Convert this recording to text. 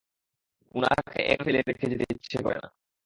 উনাকে একা ফেলে রেখে যেতে ইচ্ছা করে না।